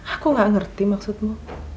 aku nggak ngerti maksudmu